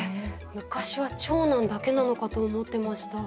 昔は長男だけなのかと思ってました。